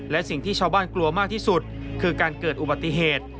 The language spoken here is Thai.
และสิ่งที่ชาวบ้านกลัวมากที่สุดคือการเกิดอุบัติเหตุ